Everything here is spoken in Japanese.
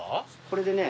これでね